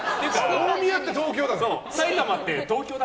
大宮って東京だから。